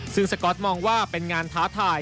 ซึ่งสก๊อตมองว่าเป็นงานท้าทาย